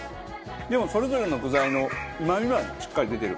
でもそれぞれの具材のうま味はしっかり出てる感じしますね。